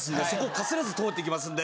かすらず通っていきますんで。